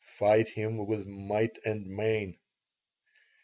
"Fight him with might and main."